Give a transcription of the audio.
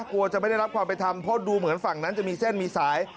กลัวจะไม่ได้รับความเป็นธรรมเพราะดูเหมือนฝั่งนั้นจะมีเส้นมีสาย